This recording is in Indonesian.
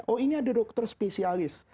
oh ini ada dokter spesialis